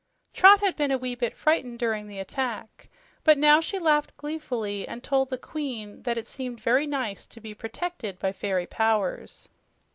Trot had been a wee bit frightened during the attack, but now she laughed gleefully and told the queen that it seemed very nice to be protected by fairy powers.